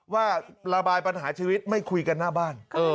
ว่าระบายปัญหาชีวิตไม่คุยกันหน้าบ้าน